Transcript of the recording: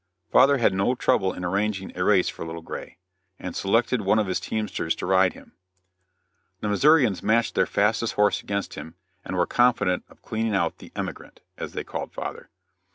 Father had no trouble in arranging a race for Little Gray, and selected one of his teamsters to ride him. The Missourians matched their fastest horse against him and were confident of cleaning out "the emigrant," as they called father.